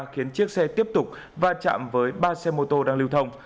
khiến chiếc xe tiếp tục va chạm với ba xe mô tô đang lưu thông